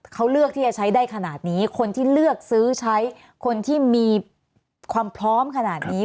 เขาเลือกที่จะใช้ได้ขนาดนี้คนที่เลือกซื้อใช้คนที่มีความพร้อมขนาดนี้